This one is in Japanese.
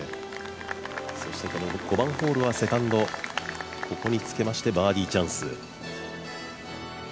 そして、５番ホールはセカンドここにつけましてバーディーチャンス。